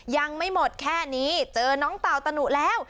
ยังไม่หมดแค่นี้เจอน้องเต่าตะหนุแล้ว